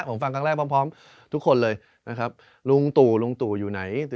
ผมฟังครั้งแรกพร้อมทุกคนเลยนะครับลุงตู่ลุงตู่อยู่ไหน